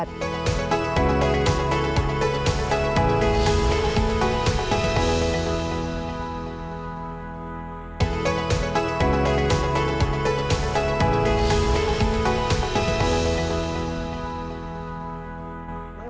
itu itu itu itu